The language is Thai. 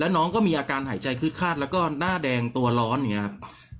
น้องก็มีอาการหายใจคืดคาดแล้วก็หน้าแดงตัวร้อนอย่างนี้ครับ